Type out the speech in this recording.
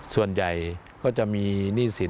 ส่วนใหญ่ก็จะมีหนี้สิน